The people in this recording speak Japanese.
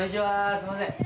すいません。